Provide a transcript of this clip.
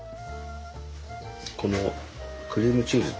このクリームチーズと。